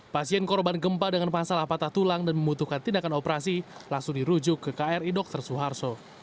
pasien korban gempa dengan masalah patah tulang dan membutuhkan tindakan operasi langsung dirujuk ke kri dr suharto